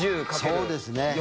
そうですね。